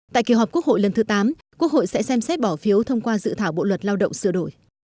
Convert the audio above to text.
tại kỳ họp quốc hội lần thứ tám quốc hội sẽ xem xét bỏ phiếu thông qua dự thảo bộ luật lao động sửa đổi